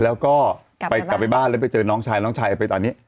แล้วก็กลับมาบ้านไปกลับไปบ้านแล้วไปเจอน้องชายน้องชายไปตอนนี้